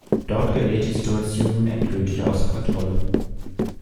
Dort gerät die Situation nun endgültig außer Kontrolle.